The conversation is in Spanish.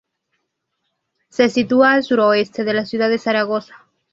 Se sitúa al suroeste de la ciudad de Zaragoza.